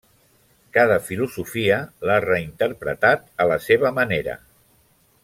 Cada filosofia l'ha reinterpretat a la seva manera.